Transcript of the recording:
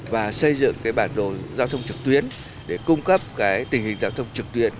và xây dựng cái bản đồ giao thông trực tuyến để cung cấp tình hình giao thông trực tuyến